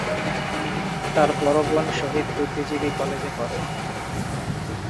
তার বড় বোন শহীদ বুদ্ধিজীবী কলেজে পড়ে।